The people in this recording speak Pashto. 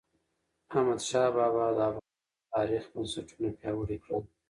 احمدشاه بااب د افغان تاریخ بنسټونه پیاوړي کړل.